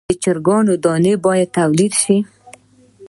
د چرګانو دانه باید تولید شي.